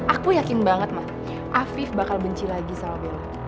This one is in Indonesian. aku yakin banget mas afif bakal benci lagi sama bella